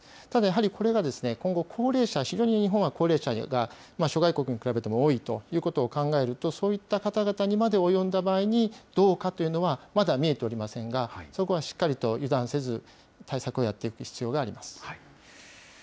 ただ、やはりこれが今後、高齢者、非常に日本は高齢者が諸外国に比べても多いということを考えると、そういった方々にまで及んだ場合にどうかというのはまだ見えておりませんが、そこはしっかりと油断せず、対策をやっていく必要があります。